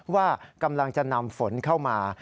ว่ากำลังจะนำฝนเข้ามา